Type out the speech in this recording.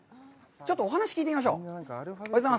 ちょっとお話を聞いてみましょう。